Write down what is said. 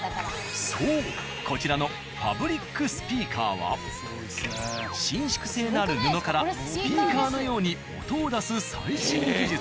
そうこちらのファブリックスピーカーは伸縮性のある布からスピーカーのように音を出す最新技術。